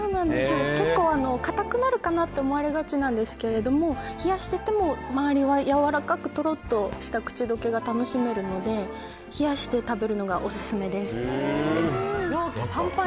結構硬くなるかなと思われがちなんですけど冷やしてても周りは柔らかくとろっとした口溶けが楽しめるので冷やして食べるのがオススメです。